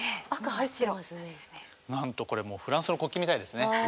なんとこれフランスの国旗みたいですね。